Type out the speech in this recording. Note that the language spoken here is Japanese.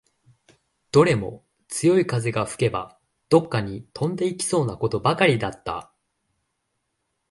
どれも強い風が吹けば、どっかに飛んでいきそうなことばかりだった